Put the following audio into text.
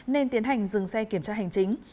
nên tiến hành dừng xe kiểm tra hành chính